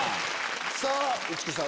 さぁ市來さん